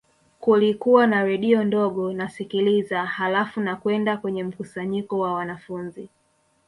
Kulikuwa na redio ndogo nasikiliza halafu nakwenda kwenye mkusanyiko wa wanafunzi